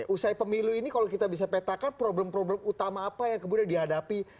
usai pemilu ini kalau kita bisa petakan problem problem utama apa yang kemudian dihadapi